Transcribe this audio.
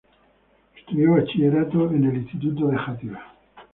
Estudió bachillerato en el Instituto de Játiva.